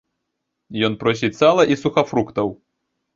Ён просіць сала і сухафруктаў.